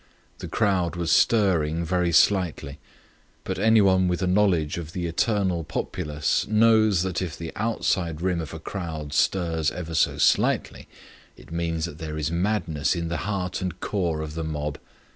The crowd was stirring very slightly. But anyone with a knowledge of the eternal populace knows that if the outside rim of a crowd stirs ever so slightly it means that there is madness in the heart and core of the mob.